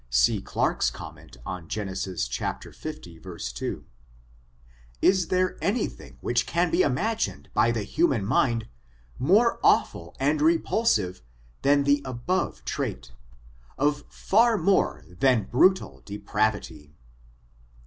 See Clarke's comment on Gen. 1, 2. Is there any thing which can be imagined by the human mind, more awful and repulsive than the above trait, of far more than brutal depravity.